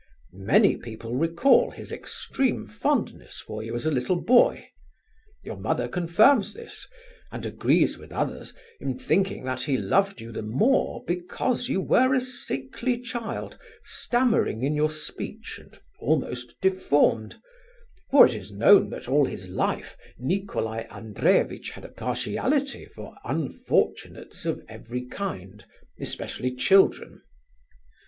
Many people recall his extreme fondness for you as a little boy. Your mother confirms this, and agrees with others in thinking that he loved you the more because you were a sickly child, stammering in your speech, and almost deformed—for it is known that all his life Nicolai Andreevitch had a partiality for unfortunates of every kind, especially children.